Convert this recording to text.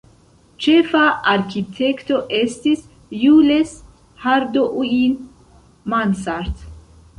Ĉefa arkitekto estis Jules Hardouin-Mansart.